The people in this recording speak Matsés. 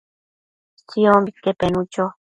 Siombique penu cho